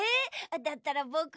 だったらぼくは。